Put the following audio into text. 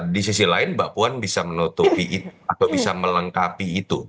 di sisi lain mbak puan bisa menutupi atau bisa melengkapi itu